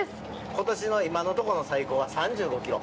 ことしの、今のところの最高が３５キロ。